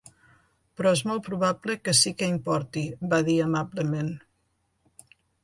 "Però és molt probable que sí que importi", va dir amablement.